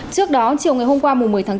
trước đó chiều ngày hôm qua một mươi tháng bốn